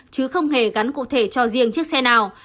chứ không hề gắn cụ thể cho riêng chiếc xe nào